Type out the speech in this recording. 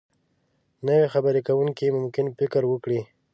نو خبرې کوونکی ممکن فکر وکړي.